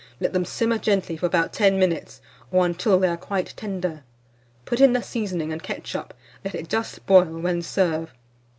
Let them simmer gently for about 10 minutes, or until they are quite tender. Put in the seasoning and ketchup; let it just boil, when serve.